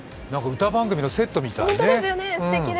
歌番組のセットみたいね。